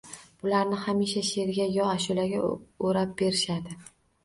Bularni hamisha she’rga yo ashulaga o‘rab berishadi.